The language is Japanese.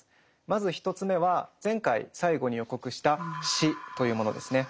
まず１つ目は前回最後に予告した「死」というものですね。